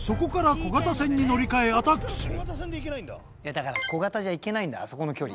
だから小型じゃ行けないんだあそこの距離。